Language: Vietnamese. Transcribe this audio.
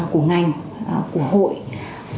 của ngành của hội của các cấp hội